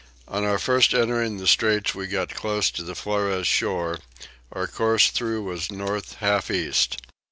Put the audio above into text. On our first entering the straits we got close to the Flores shore: our course through was north half east.